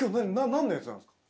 何のやつなんですか？